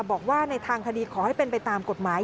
บอกว่าในทางคดีขอให้เป็นไปตามกฎหมาย